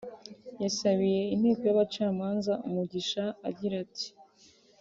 yasabiye inteko y’abacamanza umugisha agira ati